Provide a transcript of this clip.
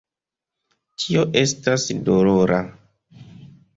Tio estas dolora.